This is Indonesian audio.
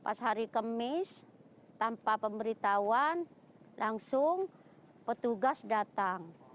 pas hari kemis tanpa pemberitahuan langsung petugas datang